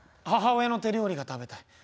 母親の手料理が食べたい。